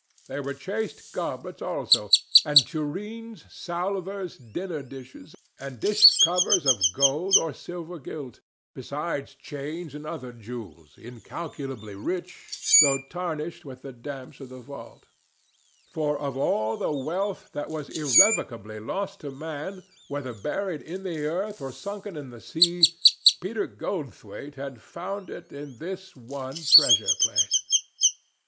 There were chased goblets, also, and tureens, salvers, dinner dishes and dish covers of gold or silver gilt, besides chains and other jewels, incalculably rich, though tarnished with the damps of the vault; for, of all the wealth that was irrevocably lost to man, whether buried in the earth or sunken in the sea, Peter Goldthwaite had found it in this one treasure place.